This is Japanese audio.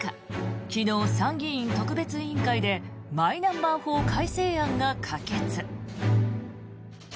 昨日、参議院特別委員会でマイナンバー法改正案が可決。